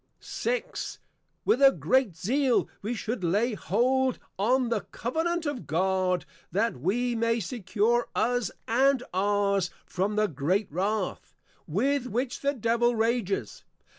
VI. With a Great Zeal, we should lay hold on the Covenant of God, that we may secure Us and Ours, from the Great Wrath, with which the Devil Rages.